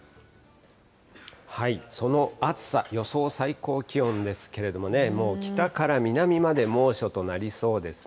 その暑さ、予想最高気温ですけれどもね、もう北から南まで猛暑となりそうですね。